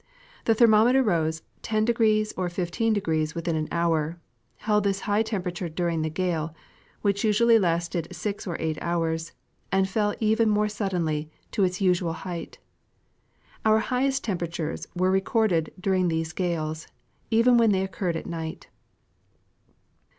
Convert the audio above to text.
The thermometer rose 10° or 15° within an hour, held this high temperature during the gale, which usually lasted six or eight hours, and fell even more suddenly to its usual height. Our highest temperatures were re corded during these gales, even when they occurred at night.